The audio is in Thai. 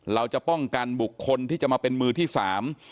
เราจะป้องกันบุคคลที่จะมาเป็นมือที่สาม